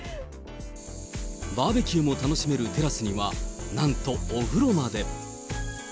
バーベキューも楽しめるテラスには、なんと、お風呂まで。